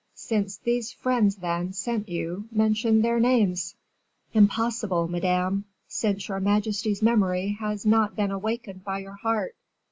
"Since these friends, then, sent you, mention their names." "Impossible, madame, since your majesty's memory has not been awakened by your heart."